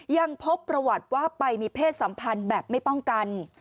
ยังพบประวัติว่าไปมีเพศสัมพันธ์แบบไม่ป้องกัน